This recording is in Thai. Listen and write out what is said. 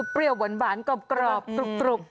เปรี้ยวบ่นบานกรอบตรุบ